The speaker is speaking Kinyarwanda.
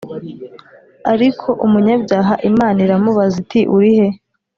Ariko umunyabyaha Imana iramubaza iti urihe‽